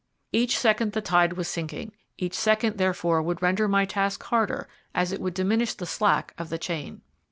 Each second the tide was sinking each second therefore would render my task harder, as it would diminish the slack of the chain.